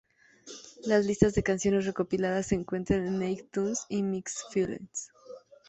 Las listas de canciones recopiladas se encuentran en "Naked Tunes" y "Mixed Feelings".